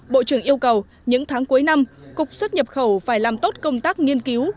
bộ trưởng yêu cầu những tháng cuối năm cục xuất nhập khẩu phải làm tốt công tác nghiên cứu